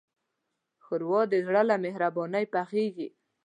ښوروا د زړه له مهربانۍ پخیږي.